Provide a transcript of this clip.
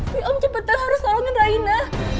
ini om cepetan harus tolongin raina